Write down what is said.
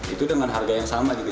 itu dengan harga yang sama gitu